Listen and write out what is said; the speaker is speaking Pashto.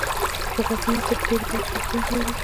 د غاښونو طب ډېرې برخې او څانګې لري